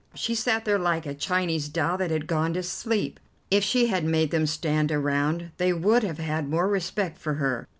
She sat there like a Chinese doll that had gone to sleep. If she had made them stand around they would have had more respect for her.